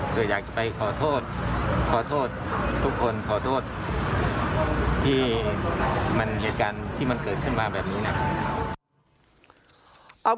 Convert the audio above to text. คืออยากจะไปขอโทษทุกคนขอโทษที่เหตุการณ์ที่มันเกิดขึ้นมาแบบนี้นะครับ